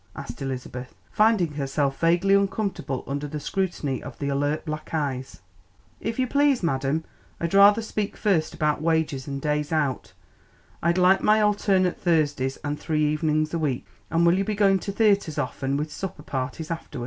asked Elizabeth, finding herself vaguely uncomfortable under the scrutiny of the alert black eyes. "If you please, madam, I'd rather speak first about wages and days out. I'd like my alternate Thursdays and three evenings a week; and will you be going to theatres often with supper parties after?